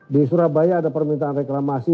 di surabaya ada permintaan reklamasi